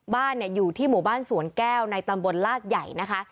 บ้านอยู่ที่หมู่บ้านสวนแก้วในตำบลลาดใหญ่นะคะ